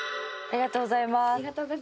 ありがとうございます。